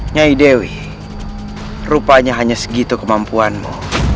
nyai dewi rupanya hanya segitu kemampuanmu